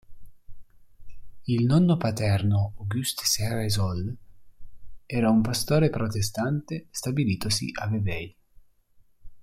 Il nonno paterno Auguste Ceresole era un pastore protestante stabilitosi a Vevey.